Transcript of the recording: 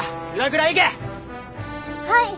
はい！